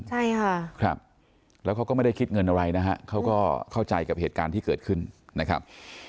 ใช่ค่ะครับแล้วเขาก็ไม่ได้คิดเงินอะไรนะฮะเขาก็เข้าใจกับเหตุการณ์ที่เกิดขึ้นนะครับ